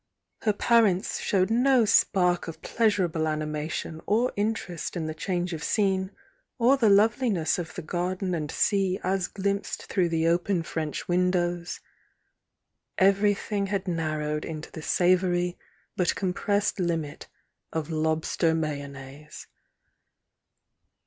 Her parents showed no spark of pleasurable anima tion or interest in the change of scene o the love liness of the garden and sea as glimpsed throu^ the open French windows, — everything had nar rowed into the savoury but compressed limit of lob ster mayonnaise.